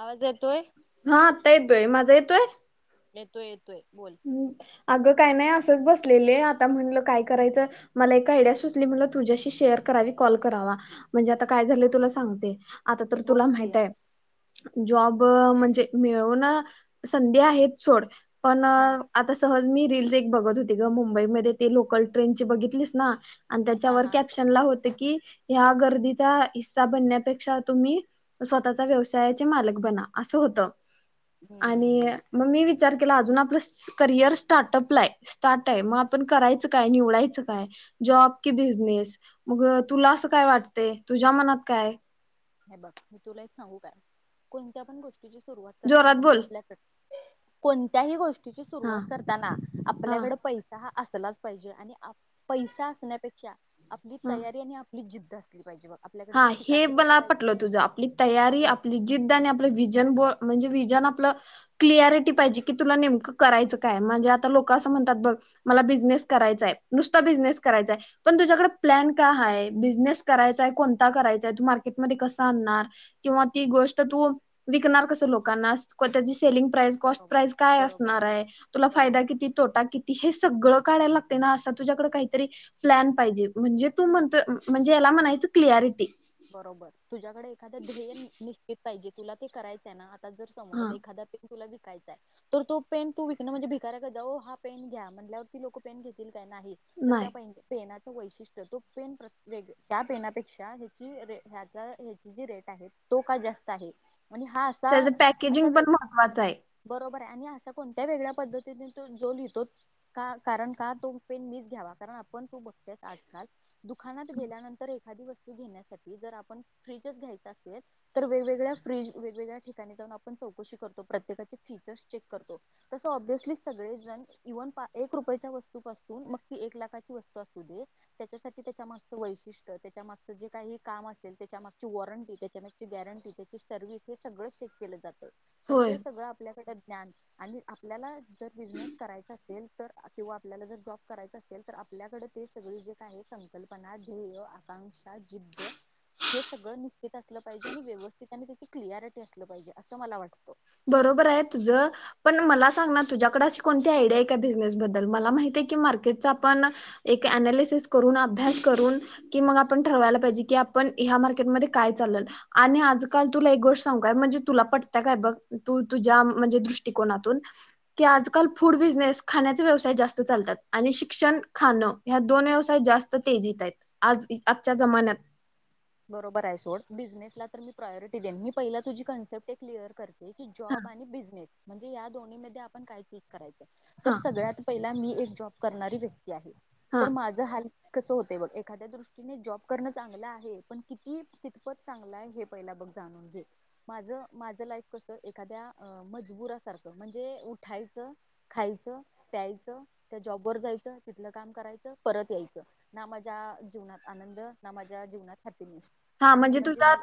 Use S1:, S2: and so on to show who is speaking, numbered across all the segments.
S1: आवाज येतोय?
S2: हा आता येतोय माझा येतोय. येतोय.
S1: येतोय, येतोय. बोल.
S2: हम्म. अगं काय नाही असंच बसलेलं, आता म्हणलं काय करायचं, मला एक आयडिया सुचली म्हणलं तुझ्याशी शेअर करावी कॉल करावा म्हणजे आता काय झालंय तुला सांगते. आता तर तुला
S1: बोल की
S2: माहित हाय. जॉब म्हणजे मिळवून संधी आहेत सोड. पण.
S1: हा
S2: आता सहज मी रील्स एक बघत होती ग मुंबईमध्ये ते लोकल ट्रेन ची बघितलीस ना. आणि त्याच्यावर कॅप्शन ला होत की ह्या गर्दीचा हिस्सा बनण्यापेक्षा तुम्ही स्वतःचा व्यवसायाचे मालक बना असं होत. आणि
S1: हम्म
S2: मग मी वि विचार केला अजून आपलं करियर स्टार्टअपला हाय स्टार्ट आहे मग आपण करायचं काय निवडायचं काय जॉब कि बिझनेस मग तुला असं काय वाटतंय तुझ्या मनात काय?
S1: हे बघ मी तुला एक सांगू काय कोणत्या पण गोष्ट तुझी सुरुवात करताना
S2: जोरात
S1: कणी
S2: बोल
S1: आपल्या कड कोणत्याही गोष्ट ची
S2: हा
S1: सुरुवात करताना
S2: हा
S1: आपल्याकड पैसा हा आस सलाच पाहिजे आणि आ पैसा असण्यापेक्षा आपली
S2: हा
S1: तयारी आणि आप हीच जिद्द असली पाहिजे बग.
S2: हा हे मला पटलं. तुझ आपली तयारी
S1: आपल्या
S2: आपली जिद्द आणि आपलं व्हीजन ब म्हणजे व्हिजन आपलं क्लॅरिटी पाहिजे की तुला नेमकं करायचं काय माझ्या आता लोकं असं म्हणतात बघ मला बिझनेस करायचाय नुसता बिझनेस करायचाय पण तुझ्याकडे प्लॅन काय हाय बिझनेस करायचाय कोण धा करायचंय तु मार्केटमध्ये कसं आणणार किंवा ती गोष्ट तु विकणार कसं लोकांना पर त्यांच सेलिंग प्राईस कॉस्ट
S1: बरोबर
S2: प्राईस काय
S1: बरोबर
S2: असणार आहे तुला फायदा
S1: बरोबर आहे.
S2: किती तोटा किती हे सगळं काढाय लागतंय ना असं तुझ्याकडे काहीतरी प्लॅन पाहिजे म्हणजे तु म्हणतोय म्हणजे ह्याला म्हणायचं क्लिअरिटी.
S1: बरोबर. तुझ्याकडे एखाद ध्येय नि निश्चित पाहिजे तुला ते करायचंय ना आ आता जर
S2: हा
S1: समज एखाद्या पे तुला विकायचायं तर तो पेन तू विकणं म्हणजे भिकाऱ्यागत जाऊ हा पेन घ्या म्हटल्यावर ती लोक पेन घेतील त्या नाही तर त्या
S2: नाही
S1: पेन पेना वैशिष्ट्य तो पेन प्र वेग त्या पेनापेक्षा कि रे ह्याचा ह्याची जी रेट आहे तो का जास्त आहे. आणि हा असा
S2: त्याचं पॅकेजिंग पण महत्त्वाचं आहे.
S1: बर हाय आणि असा कोणत्या वेगळ्या पद्धतीने तो जो लिहितो का कारण का तो पेन मीच घ्यावा कारण आपण तू बघतेस आजकाल दुखानात गेल्यानंतर एक एखादी वस्तू घेण्यात त्यासाठी जर आपण फ्रिजच घ्यायचा असेल जतर वेगवेगळ्या फ्रिज वेगवेगळ्या ठिकाणि जाऊन आपण चौकशी करतो प्रत्येकाचे फिचर्स चेक करतो तस ओबीअसली सगळेच जण इव्हन एक रुपयच्या वस्तूपासून मग ती एक लाखाची वस्तू असू दे त्याच्यासाठी त्याच्या मागचं वैशिष्ट त्याच्या मागचं जे काही काम असेल त्याच्यामागची वॉरंटी त्याच्यामागची गॅरंटी त्याची सर्व्हिस हे सगळं चेक केलं जातं. तर
S2: होय
S1: ते सगळं आपल्याकडे ज्ञान आणि आपल्याला जर बिजनेस करायचा असेल तर, किंवा आपल्याला जर जॉब करायचा असेल तर आपल्याकडे ते सगळ जे का आहे, संकल्पना ध्येय आकांक्षा जिद्द हे सगळं निश्चित असलं पाहिजे आणि व्यवस्थित आणि ते क्लिअरिटी असलं पाहिजे असं मला वाटतं.
S2: बरोबर आहे तुझं पण मला सांग ना तुझ्याकडे अशी कोणती आयडिया आहे का बिझनेस बद्दल मला माहित आहे की मार्केटच आपण एक अनालिसिस, करून अभ्यास, करून की मग आपण ठरवायला पाहिजे की आपण ह्या मार्केटमध्ये काय चाल आणि आजकाल तुला एक गोष्ट सांगु काय म्हणजे तुला पटत काय बघ. तू तुझ्या म्हणजे दृष्टकोनातून की आजकाल फूड बिझनेस खाण्याचे व्यवसाय जास्त चालतात आणि शिक्षण खाणं ह दोन व्यवसाय जास्त तेजीत आहेत आज आजच्या जमान्यात.
S1: बरोबर आहे सोड बिझनेसला तर मी प्रायरटी देन मी पहिला तुझी कन्सेप्ट क्लिअर करते. की
S2: हा
S1: जॉब आणि बिझनेस म्हणजे या दोन्ही मध्ये आपण काय चूज करायचं. तर
S2: हा
S1: सगळ्यात पहि मी एक जॉब करणारी व्यक्ती. हे आहे
S2: हा
S1: तर माझ हाल कसं होते बघ एखाद्या दृष्टीने जॉब करणं चांगलं आहे. पण किती कितपत चांगलं आहे, हे पहिला बघ जाणून घे माझ माझं लाईफ कसं एखाद्या मजबुरा सारखं म्हणजे उठायचं खायचं प्यायचं त्या जॉबवर जायचं तिथलं काम करायचं परत यायचं, ना माझ्या जीवनात आनंद ना माझ्या जीवनात हॅपिनेस.
S2: हा म्हणजे तुझ्या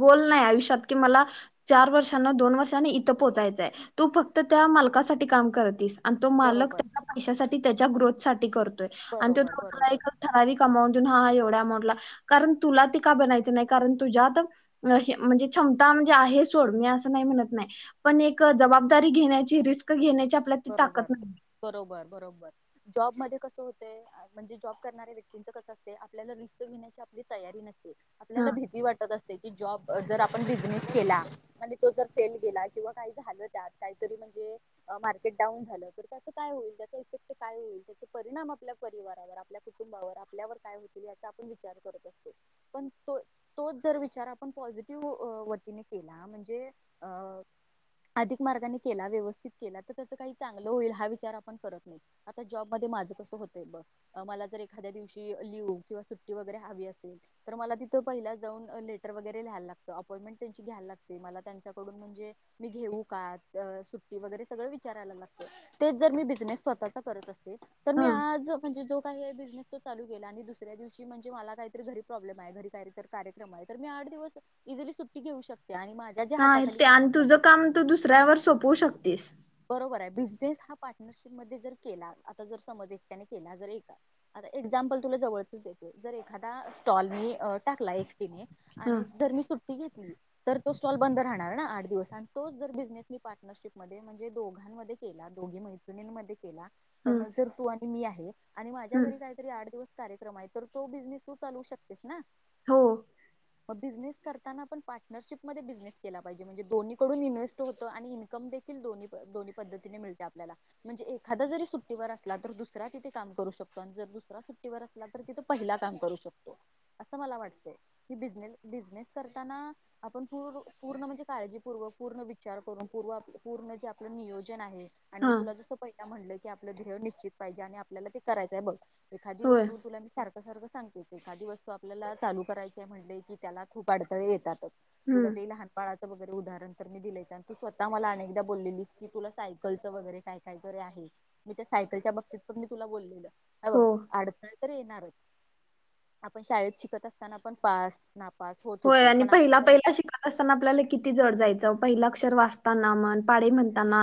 S2: गोल नाही आयुष्यात कि मला चार वर्षांना दोन वर्षांनी इथं पोहोचायचंय तू फक्त त्या मालकासाठी काम करतीस आणि तो मालक
S1: बरोबर
S2: त्याच्या पैशासाठी त्याच्या ग्रोथ छाटी करत तो आणि
S1: बरोबर
S2: तुम्हाला
S1: बरोबर
S2: ठराविक एक ठराविक आमाऊंटन हा एवढां आमाऊंट तुला कारण तुला. का बनायचं नाही. कारण तुज्यात हे म्हणजे क्षमता म्हणजे आहे सोड मी अस नाही म्हणत नाही पण एक जबादारी घेण्याची रिस्क घेण्याची. आपल्या ती ताकद
S1: बरोबर
S2: नाही
S1: बरोबर बरोबर जॉब मध्ये कस होतय, म्हणजे जॉब करणाऱ्या व्यक्तिच कस असतय आपल्याला रिस्क घेण्याची आपली तयारी नस
S2: हा
S1: आपल्याला भीती वाटत असते की जॉब जर आपण बिझनेस केला म्हणजे तो जर फेल गेला किंवा काही झालं त्यात काहीतरी म्हणजे मार्के डाऊन झाल तर त्याच काय होईल त्याचा इफेक्ट काय होईल त्याच परिणाम आपल्या परिवारावर आपल्या कुटुंबावर आपल्यावर काय होतील याचा आपण विचार करत असतो पण तोच जर विचार आपण पॉझिटिव्ह वतीने केला म्हणजे अधिक मार्गाने केला व्यवस्थित केला तर. काही चांगलं होईल हा विचार आपण करत नाही आता जॉब मध्ये माझं कसं होतय बघ मला जर एखाद्या दिवशी लिव्ह किंवा सुट्टी वगैरे हवी असेल तर मला तिथं पहिला जाऊन लेटर वगैरे लिहिला लागत अपॉइंटमेंट त्यांची घ्यायला लागते मला त्यांच्याकडून म्हणजे मी घेऊ का सुट्टी वगैरे सगळ. विचारायला तेच जर मी बिजनेस स्वतः करत अस तर
S2: हा
S1: मी आज म्हणजे जो काही बिझनेस तो चालू केला आणि दुसऱ्या दिवशी म्हणजे मला काहीतरी घरी प्रॉब्लेम आहे घरी काहीतरी कार्यक्रम आहे तर मी आठ दिवस इझिली सुट्टी घेऊ शकते. आणि माझ्या ज्या
S2: नाही
S1: हाताखाली
S2: ते
S1: काम
S2: आणि
S1: असतात
S2: तुझं काम तू दुसऱ्यावर सोपवू शकतेस.
S1: बरं आहे बिझनेस हा पार्टनरशिप मध्ये जर केला आता जर समज एकट्याने केला जर एका एक्झाम्पल तर तुला जवळचे देते जर एखादा स्टॉल मी टाकला. ते मी
S2: हा
S1: आणि जर मी सुट ती घेतली तर तो स्टॉल बंद राहणार ना आठ दिवस आणि तोच जर बिझनेस मी पार्टनरशिपमध्ये म्हणजे दोघा दोघांमध्ये केला दोघी मैत्रिणीण मध्ये केला.
S2: हा
S1: समज जर तू आणि मी आहे. [inaudible] आणि माझ्या
S2: हम्म
S1: घरी काहीतरी आठ दिवस कार्यक्रम आहे तर तो बिझनेस तू चालू शकतेस ना.
S2: हो.
S1: मग बिझनेस करताना पण पार्टनरशिपमध्ये बिझनेस केला पाहिजे. म्हणे दोनहीकडून इन्व्हेस्ट होतो, आणि इनकम देखीलन दोन्ही दोन्ही पद्धतीने मिळते आपल्या म्हणे एखादा जरी सुट्टीवर असला तर दुसरा तिथे काम करू शकतो आणि जर दुस सुट्टीवर असला तर तिथ पहिला काम करू शकतो, असं मला वाटतय. कि बिझनेस करताना आपण पूर्ण म्हणजे काजीपूर्व पूर्ण विचार करून पूर्ण आपल नियोजन आहे. आणि मी
S2: हा
S1: तुला जसं प हीरा म्हटलं की आपलं ध्येय निश्चित पाहिजे, आणि आपल्याला ते करायचंय बघ. एखादी
S2: होय
S1: वस्तू तुला मी सार सारखं सारखं सांगते एखादी वस्तू आपल्याला चालू करायची आहे म्हटले की त्याला खूप अडथळे येतात.
S2: हम्म
S1: तुला ते लहानपाळा वगैरे उदाहरण तर मी दिलेय आणि तू स्वतः मला अनेकदा बोललेलीस की तुला सायकलचं वगैरे काय काय तर आहे. मी त्या सायकलच्या बाबतीत पण मी तुला बोललेलं.
S2: हो
S1: अबघ अड तर येणारच आपण शाळेत शिकत असताना पण पास नापा
S2: होय आणि पहिला पहिला शिकत असताना आपल्याला किती जड जायचं. पहिला अक्षर वाचताना म पाडे म्हणताना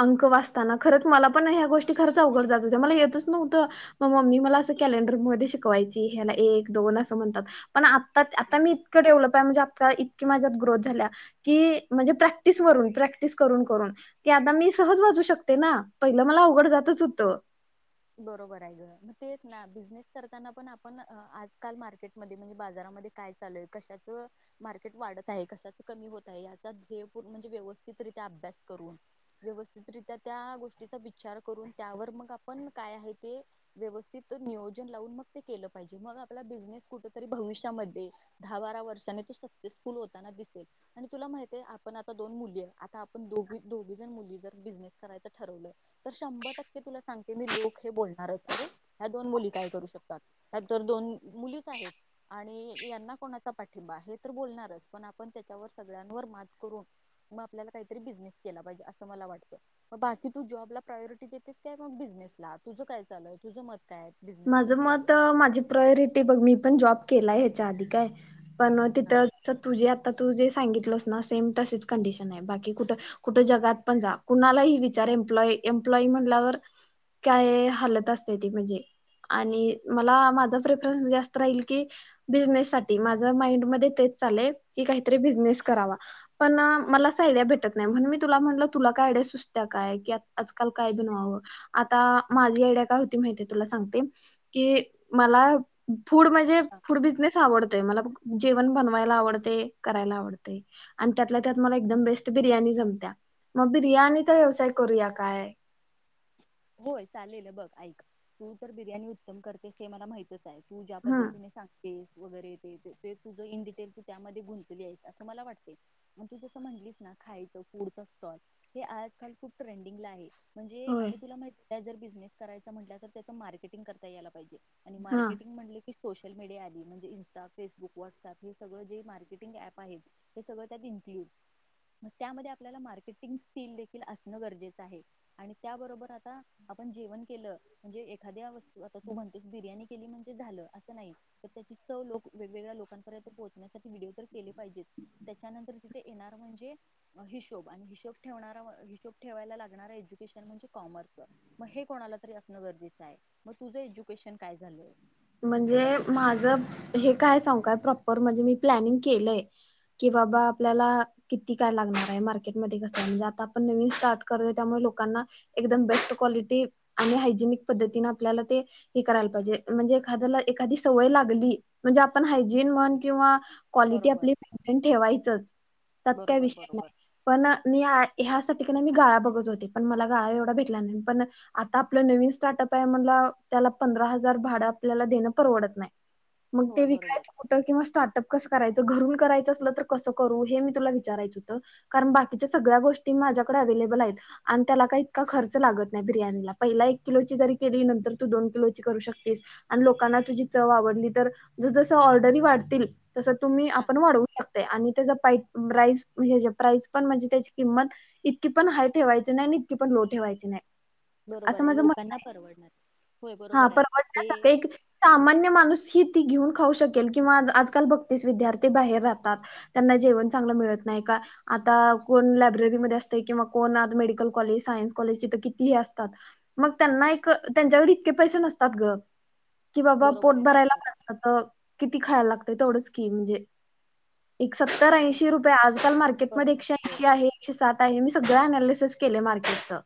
S2: अंक वाचताना खरंच मला पण ह्या गोष्टी खरच अघड जात हो्या मला येतच नव्हतं मग मम्मी मला अस कॅलेंडरमध्ये शिकवायची ह्याला एक दोन असं म्हणतात पण आता आता मी इतकं डेव्हलप आहे म्हणजे आ इतकी माझ्यात ग्रोथ झाल्या की म्हणजे प्रॅक्टिस वून प्रॅक्टिस करून करून की आता मी सहज वाजू शकते ना, पहिलं मला अवघड जातच होतं.
S1: बरोबर आहे ग मग तेच ना बिझनेस करताना पण आपण आजकाल मार्केट मध्ये म्हणजे बाजारामध्ये काय चालूय कशाच मार्केट वाढत आहे कशाच कमी होत आहे याचा म्हणजे व्यवस्थितरित्या अभ्यास करून व्यवस्थितरित्या त्या गोष्टीचा विचार करून त्यावर मग आ पण काय आहे ते व्यवस्थित नियोजन लावून मग ते केलं पाहिजे मग आपला बिझनेस कुठेतरी भविष्यामध्ये दहा बारा वर्षानी तू सक्सेसफुल होताना दिसेल आणि तुला माहित आहे आपण आता दोन मुली आता आप दोघ दोघी जण मुली जर बिझनेस करायच ठरवलं तर शंभर टक्के तुला सांगते मी लोक हे बोलणारच अरे ह्या दोन मुली काय करू शकतात. ह्या तर दोन मुलीच आहेत आणि यांना कोणाचा पाठिंबा हे तर बोलणारच पण आपण त्याच्यावर सगळ्यांवर मात करून मग आपल्याला काहीतरी बिझनेस केला पाहिजे. असं मला वाटतं, म बाकी तू जॉबला प्रायोरिटी देतेस काय मग बिझनेस ला तुझं काय चालूय, तुझं मत काय आहे बिझनेस
S2: माझं
S1: बद्दल
S2: मत माझी प्रायोरिटी बघ मी पण जॉब केलाय ह्याच्या आधी काय. पण तिथ
S1: हा
S2: तुझे आता तुझे सांगितलंच ना सेम तशीच कंडिशन आहे बाकी कुठ कुठ जगात पण जा कुणालाही विचार एम्प्लॉई एम्प्लॉई म्हणल्यावर काय हालत असते ती म्हणजे. मला माझं साठी माझं कि मला फूड म्हणजे फूड बिझनेस आवडत तय मला जेवण बनवायला आवडत, करायला आवडते, आणि त्यात त्यात मला एकदम बेस्ट बिर्याणी जमत्या मग बिर्याणीचा व्यवसाय करूया काय.
S1: होय चालेल बघ ऐक. तू ज्या
S2: हम्
S1: पद्धतीने सांग येस वगैरे तुझ इन डटेल तू त्यामध्ये गुंतली आहेस असं मला वाटते म तू जसं म्हंटलीस. म्हणजे
S2: होय
S1: आणि जर बिझनेस करायचा म्हंटला तर त्याच मार्केटिंग करता यायला पाहिजे. आणि
S2: हा
S1: मार्केटिंग म्हणले की सोशल मिडिया आली म्हणजे इंस्टा फेसबुक व्हटसअप हे सोसियल मीडिया आली म्हणजे आता फेसबुक व्हॉट्सअँपहे सगळ जे मार्केटिंग ऍप आहेत ते सगळ त्यात इन्क्लुड मग त्या मध्ये आपल्याला मार्केटिंग स्किल देखील असणं गरजेच आहे आणि त्याबरोबर- त आता आपण जेवण केलं म्हणजे एखाद्या वस्तू आता तू म्हणतेस बिर्याणी केली म्हणजे झालं असं नाही तर त्याची चव लोक वेगवेगळ्या लोकांपर्यंत पोहोचण्यासाठी व्हिडिओ तर आता आपण जेवण केल म्हणजे बिर्याणी केली म्हणजे झालं अस नाही तर त्याची चव वेग वेगळ्या लोकांपर्यंत पोहोचण्यासाठी व्हिडिओ तर केले पाहिजेत त्याच्यानंतर तिथे येणार म्हणजे हिशोब आणि हिशोब ठेवणारा ठेवा हिशोब ठेवायला लागणार एज्युकेशन म्हणजे- कॉमर्सच, म हे कोणाला तरी असणं गरजेच आहे. म तुझं एज्युकेशन काय झालंय -
S2: म्हणजे माझ - हां त्याला एखादी सवय लागली म्हणजे आपण हायजीन म्हण किंवा- क्वालिटी
S1: बरोबर
S2: आपली मेनटेन ठेवायचच त्यात काय
S1: बरोबर
S2: विषय
S1: बरोबर
S2: नाही. एक ना मी गाळा बघत होते पण मला गाळा एवढा भेटला नाही. पण आता आपलं नवीन स्टार्टअप आहे म्हणलं त्याला पंधरा हजार भाड- आपल्याला देनं परवडत नाही. मग ते
S1: होय बरोबर
S2: विकायचं कुठं किंवा स्टार्टअप कसं- करायच घरून करायचं असलं तर कसं करू हे मी तुला विचारायच होतं, कारण बाकीच्या सगळ्या गोष्टी माझ्याकडे करायचं घरकुल करायच असलं तर कस करू हे मी तुला विचारायचं होत कारण बाकीच्या सगळ्या गोष्टी माझ्याकडे अव्हेलेबल आहेत आणि त्याला का इतका खर्च लागत नाही बिर्याणीला पहिला एक किलोची जरी केली नंतर तू दोन किलोची करू शकतेस- आणि लोकांना तुझी चव आवडली तर जस जसं ऑर्डरी वाढतील- तसं तुम्ही
S1: हा
S2: आपण वाढवू- आणि त्याच पाईप प्राइस प्राईस पण म्हणजे त्याची किंमत
S1: बरोबर आहे लोकांना परवडणार- होय
S2: हा
S1: बरोबर आहे ते
S2: परवडण्यासारखा एक, सामान्य माणूस हि ती घेऊन- खाऊ शकेल, किंवा आज आज काल बघतेस विद्यार्थी बाहेर खाऊ शकेल किंवा आजकाल बघतेस विद्यार्थी बाहेर राहतात, त्यांना जेवण चांगलं मिळत नाही का आता कोण लायब्ररीमध्ये असतेय किंवा कोण आज मेडिकल कॉलेज सायन्स कॉलेज इथ किती ही असतात मग त्यांना एक त्यांच्याकडे- पैसे नसतात ग कि बाबा पोट
S1: बरोबर आहे
S2: भरायला
S1: बरोबर आहे
S2: त किती खायला लागत- तोडंच की म्हणजे- सत्तर
S1: हम्म,
S2: ऐंशी रुपये आजकाल मार्केट मध्ये
S1: बरोबर
S2: एकशे
S1: होय
S2: ऐंशी आहे एकशे सात आहे मी सगळ्या न - लेसेस केलं मार्केटच् -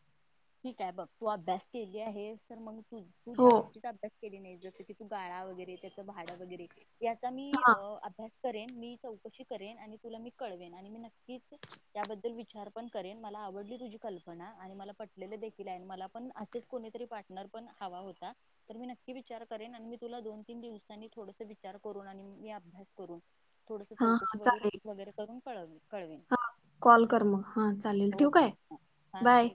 S1: ठीक आहे बघ, तू अभ्यास केली आहे हे तर मंग! हम्म तु
S2: हो.
S1: ज्या गोष्टीचा अभ्यास- केले नाही जसं की तू गाळा वगैरे त्याचं भाडं वगैरे- याचा मी
S2: हां,
S1: अ अभ्यास- करेन मी चौकशी करेन, आणि तुला मी कळवेन, आणि मी नक्कीच त्या-बद्दल विचार पण करेन मला आवडली तुझी कल्पना आणि मला प ले लेदेकिल मला पण असच कोणी तरी पाटनर पण हवा होता. तर मी नक्की विचार करेन आणि मी तुला दोन तीन दिवसांनी थोडसं विचार करून आणि मी अभ्यास करून- थोडस चौकशी वग वगैरे करून- कळवते
S2: हा कॉल कर मग हा चालेल ठिउ
S1: ओके
S2: काय
S1: हा ठेव
S2: बाय.